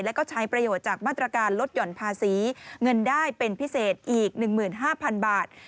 แล้วก็ใช้ประโยชน์จากมาตรการลดหย่อนภาษีเงินได้เป็นพิเศษอีก๑๕๐๐๐บาท